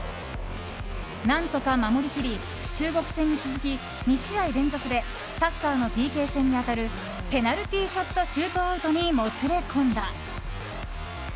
何とか守りきり、中国戦に続き２試合連続でサッカーのＰＫ戦に当たるペナルティーショットシュートアウトにもつれ込んだ。